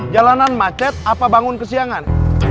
jalanan macet apa bangun kesiangan